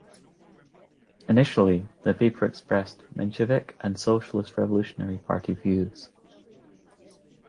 Initially, the paper expressed Menshevik and Socialist-Revolutionary Party views.